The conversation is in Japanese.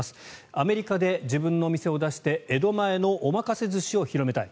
アメリカで自分のお店を出して江戸前のお任せ寿司を広めたい。